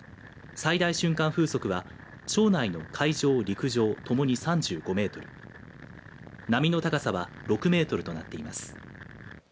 最大瞬間風速は庄内の海上、陸上共に３５メートル波の高さは６メートルとなっています。